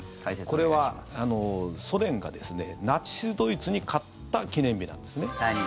これはソ連がナチス・ドイツに勝った記念日なんですね。